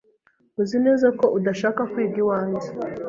Uzi neza ko udashaka kwiga iwanjye?